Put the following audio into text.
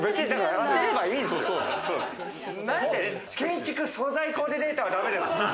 あえて建築素材コーディネーターはだめです。